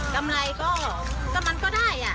กำไรก็มันก็ได้